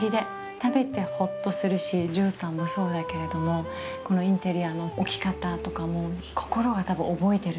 食べてホッとするし絨毯もそうだけれどもこのインテリアの置き方とかも心がたぶん覚えている。